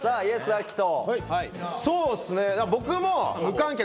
アキト。